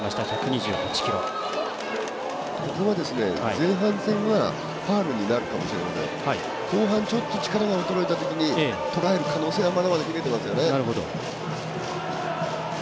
前半戦はファウルになるかもしれないので後半、ちょっと力が衰えたときにとらえる可能性はまだまだ秘めてますよね。